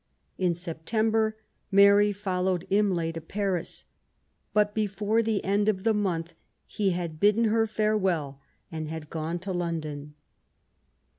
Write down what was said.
In September Mary followed Imlay to Paris. But before the end of the month he had bidden her fare well and had gone to London.